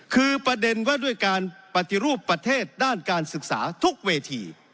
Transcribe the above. คือประเด็นว่าด้วยการปฏิรูปประเทศด้านการศึกษาทุกเวที